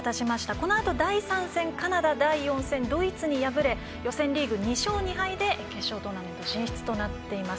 このあと第３戦、カナダ第４戦ドイツに敗れ予選リーグ２勝２敗で決勝トーナメント進出になっています。